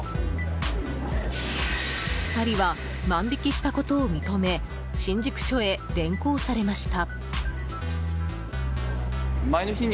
２人は万引きしたことを認め新宿署へ連行されました。